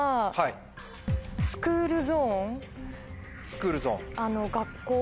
スクールゾーン。